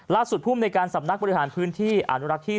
ล่าสุดพุ่มในการสำนักบริหารพื้นที่อนุรักษณ์ที่๑๖